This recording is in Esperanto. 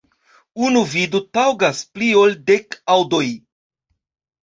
Unu vido taŭgas pli ol dek aŭdoj.